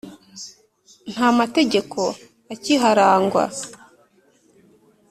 nta mategeko akiharangwa,